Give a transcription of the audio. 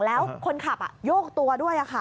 แล้วคนขับโยกตัวด้วยค่ะ